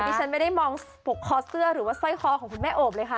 ฉันไม่ได้มองปกคอเสื้อหรือว่าสร้อยคอของคุณแม่โอบเลยค่ะ